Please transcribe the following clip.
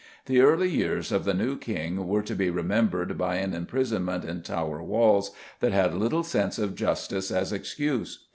The early years of the new King were to be remembered by an imprisonment in Tower walls that had little sense of justice as excuse.